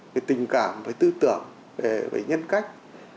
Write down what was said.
về tình cảm về tư tưởng về nhân cách